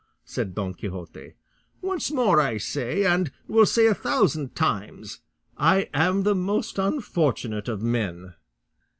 said Don Quixote; "once more I say, and will say a thousand times, I am the most unfortunate of men."